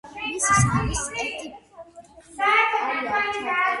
მისი სახელის ეტიმოლოგია საკამათოა და რამდენიმე განსხვავებული ახსნა არსებობს.